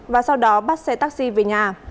và sau đó bắt xe taxi về nhà